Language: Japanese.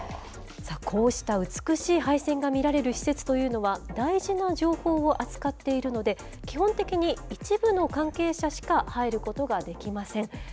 さあ、こうした美しい配線が見られる施設というのは、大事な情報を扱っているので、基本的に一部の関係者しか入ることができません。